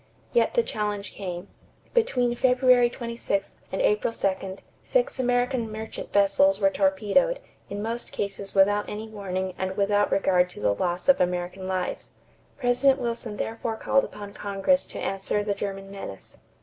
Yet the challenge came. Between February 26 and April 2, six American merchant vessels were torpedoed, in most cases without any warning and without regard to the loss of American lives. President Wilson therefore called upon Congress to answer the German menace.